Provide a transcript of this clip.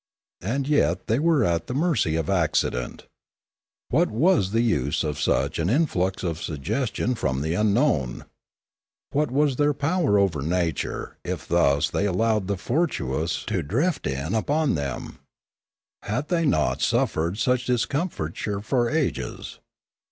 And yet they were at the mercy of accident. What was the use of such an in flux of suggestion from the unknown? What was their 35 2 Limanora power over nature, if thus they allowed the fortuitous to drift in upon them ? They had not suffered such discomfiture for ages.